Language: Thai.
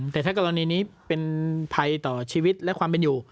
แต่ถ้ากรณีนี้เป็นภัยต่อชีวิตและความเป็นอยู่